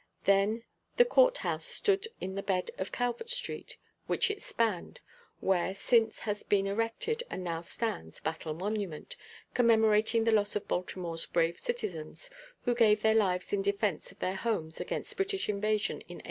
Then the courthouse stood in the bed of Calvert street, which it spanned, where since has been erected and now stands Battle Monument, commemorating the loss of Baltimore's brave citizens, who gave their lives in defence of their homes against British invasion in 1814.